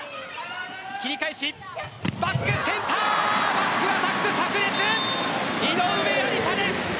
バックアタックさく裂井上愛里沙です。